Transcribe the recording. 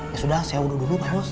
ya sudah saya uduk dulu pak bos